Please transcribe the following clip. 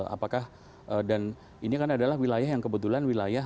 apakah dan ini kan adalah wilayah yang kebetulan wilayah